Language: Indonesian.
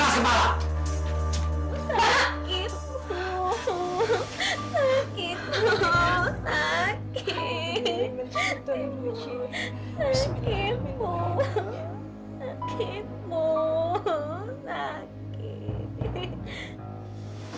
ibu mencintai ibu ibu sakit ibu sakit ibu sakit